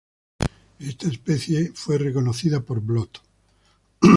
Esta especie fue reconocida por Blot.